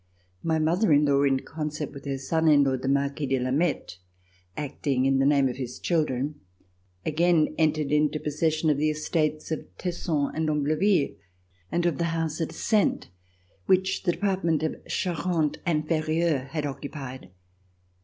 My mother in law in concert with her son in law, the Marquis de Lameth, acting in the name of his children, again entered into possession of the estates of Tesson and Ambleville and of the house at Saintes which the Department of the Charente Inferieure had occupied.